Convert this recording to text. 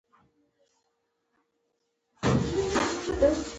مچان د ماشومانو خوړ خرابوي